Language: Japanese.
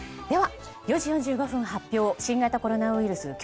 では、４時４５分発表新型コロナウイルス